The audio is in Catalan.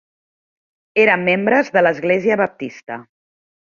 Eren membres de l'Església Baptista.